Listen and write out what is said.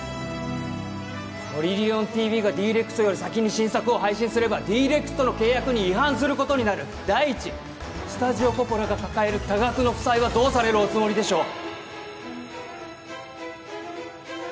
トリリオンＴＶがＤ−ＲＥＸより先に新作を配信すればＤ−ＲＥＸとの契約に違反することになる第一スタジオポポラが抱える多額の負債はどうされるおつもりでしょう？